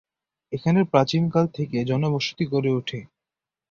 এখানে প্রাচীনকাল থেকে জন বসতি গড়ে ওঠে।